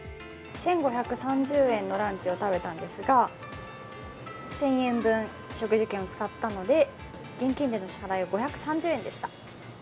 １５３０円のランチを食べたんですが、１０００円分、食事券を使ったので現金での支払いは５３０円でした。